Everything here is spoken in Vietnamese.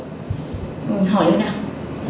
hỏi nữa nè